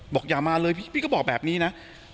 อย่ามาเลยพี่ก็บอกแบบนี้นะ